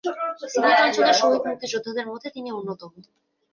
সিলেট অঞ্চলের শহীদ মুক্তিযোদ্ধাদের মধ্যে তিনি অন্যতম।